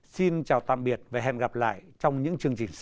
xin chào tạm biệt và hẹn gặp lại trong những chương trình sau